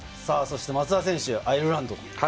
松田選手はアイルランド。